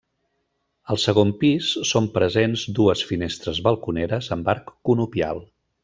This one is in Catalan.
Al segon pis són presents dues finestres balconeres amb arc conopial.